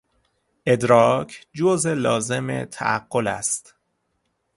ادراک جز لازم تعقل است.